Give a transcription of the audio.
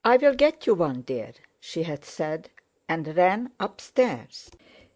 "I'll get you one, dear," she had said, and ran upstairs.